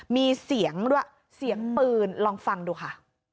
มีเสียงด้วยเสียงปืนลองฟังดูค่ะ